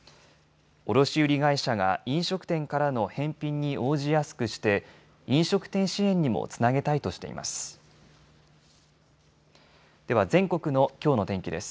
卸売会社が飲食店からの返品に応じやすくして飲食店支援にもつなげたいとしています。